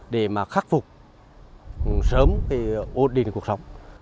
để mà khắc phục sớm thì ổn định cuộc sống